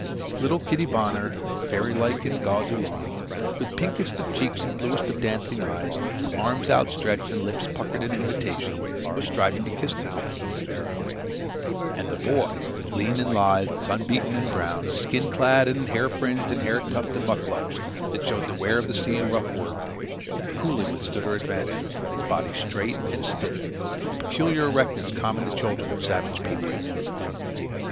Little Kitty Bonner, fairylike in gauzy lawn, with pinkest of cheeks and bluest of dancing eyes, arms outstretched and lips puckered in invitation, was striving to kiss the boy. And the boy, lean and lithe, sunbeaten and browned, skin clad and in hair fringed and hair tufted MUCLUCS that showed the wear of the sea and rough work, coolly withstood her advances, his body straight and stiff with the peculiar erectness common to children of savage people.